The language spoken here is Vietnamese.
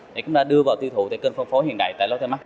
để chúng ta đưa vào tiêu thụ tại kênh phân phối hiện tại tại lotte mart